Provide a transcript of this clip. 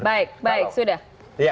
baik baik sudah